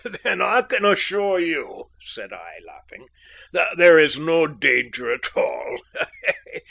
"Then I can assure you," said I, laughing, "that there is no danger at all.